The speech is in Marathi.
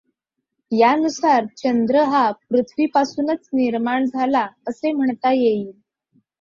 यानुसार चंद्र हा पृथ्वीपासूनच निर्माण झाला आहे, असे म्हणता येईल.